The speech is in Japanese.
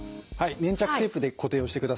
粘着テープで固定をしてください。